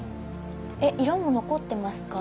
え色も残ってますか？